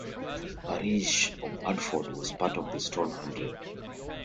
The parish of Mudford was part of the Stone Hundred.